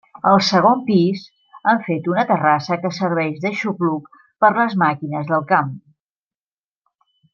El segon pis, han fet una terrassa que serveix d'aixopluc per les màquines del camp.